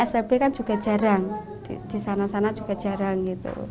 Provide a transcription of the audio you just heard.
smp kan juga jarang di sana sana juga jarang gitu